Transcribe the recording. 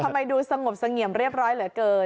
ทำไมดูสมบสง่วมเรียบร้อยเหลือเกิน